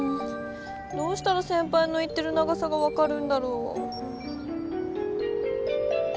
どうしたらせんぱいの言ってる長さがわかるんだろう。